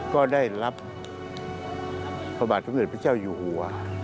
ก็ได้รับภาพบาทธุรกิจพระเจ้าอยู่หัว